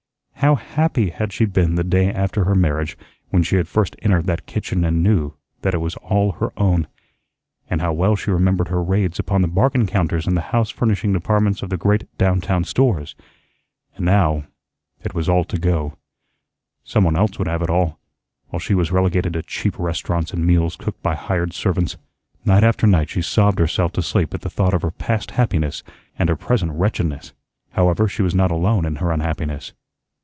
How happy had she been the day after her marriage when she had first entered that kitchen and knew that it was all her own! And how well she remembered her raids upon the bargain counters in the house furnishing departments of the great down town stores! And now it was all to go. Some one else would have it all, while she was relegated to cheap restaurants and meals cooked by hired servants. Night after night she sobbed herself to sleep at the thought of her past happiness and her present wretchedness. However, she was not alone in her unhappiness.